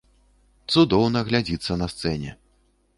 Цудоўна глядзіцца на сцэне.